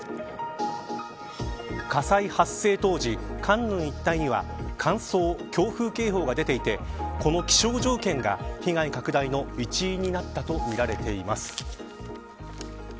火災発生当時江陵一帯には乾燥、強風警報が出ていてこの気象条件が、被害拡大の一因になったとみられています。